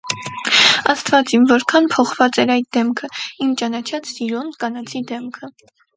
Աստվա՜ծ իմ, որքա՜ն փոխված էր այդ դեմքը, իմ ճանաչած սիրուն, կանացի դեմքը.